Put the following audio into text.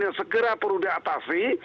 yang segera perlu diatasi